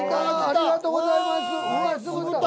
ありがとうございます。